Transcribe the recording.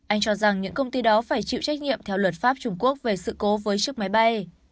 anh cho rằng những công ty đó phải chịu trách nhiệm theo luật pháp trung quốc về sự cố với chiếc máy bay